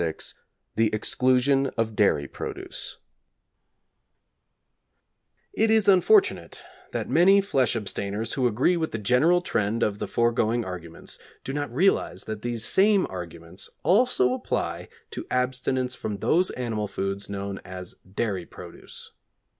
VI THE EXCLUSION OF DAIRY PRODUCE It is unfortunate that many flesh abstainers who agree with the general trend of the foregoing arguments do not realise that these same arguments also apply to abstinence from those animal foods known as dairy produce.